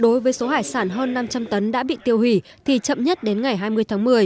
đối với số hải sản hơn năm trăm linh tấn đã bị tiêu hủy thì chậm nhất đến ngày hai mươi tháng một mươi